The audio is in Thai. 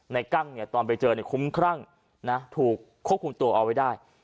กั้งเนี่ยตอนไปเจอคุ้มครั่งถูกควบคุมตัวเอาไว้ได้